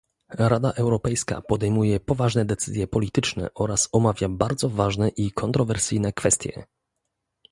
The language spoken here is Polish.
Rada Europejska podejmuje poważne decyzje polityczne oraz omawia bardzo ważne i kontrowersyjne kwestie